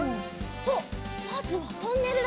おっまずはトンネルだ。